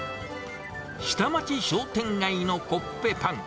下町商店街のコッペパン。